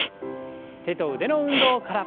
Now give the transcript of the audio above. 手と腕の運動から。